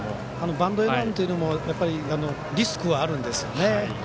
バントエンドランもリスクはあるんですよね。